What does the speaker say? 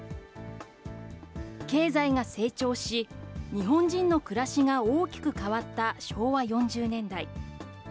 経済が成長し、日本人の暮らしが大きく変わった昭和４０年代。